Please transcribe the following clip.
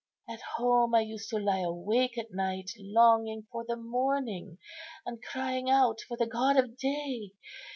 At home I used to lie awake at night longing for the morning, and crying out for the god of day.